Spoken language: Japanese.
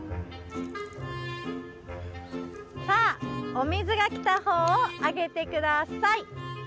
さあお水がきたほうをあげてください。